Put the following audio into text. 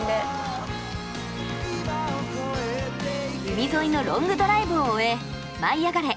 海沿いのロングドライブを終え「舞いあがれ！」